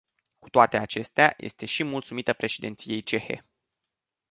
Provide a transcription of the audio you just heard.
Cu toate acestea, este și mulțumită președinției cehe.